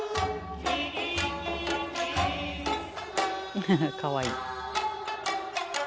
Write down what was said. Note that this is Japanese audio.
フフフかわいい。